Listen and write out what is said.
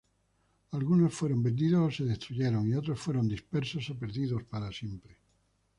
Algunos fueron vendidos o se destruyeron y otros fueron dispersos o perdidos para siempre.